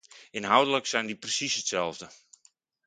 Inhoudelijk zijn die precies hetzelfde.